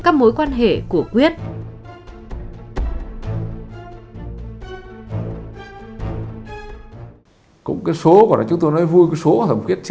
các mối quan hệ của quyết